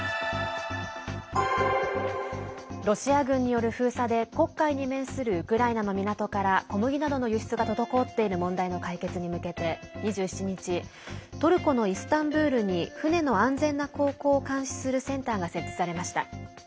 ロシア軍による封鎖で黒海に面するウクライナの港から小麦などの輸出が滞っている問題の解決に向けて、２７日トルコのイスタンブールに船の安全な航行を監視するセンターが設置されました。